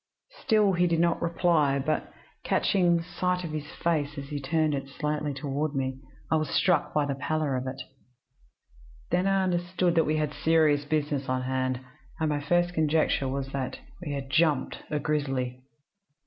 "Still he did not reply; but, catching a sight of his face as he turned it slightly toward me, I was struck by the pallor of it. Then I understood that we had serious business on hand, and my first conjecture was that we had 'jumped' a grizzly.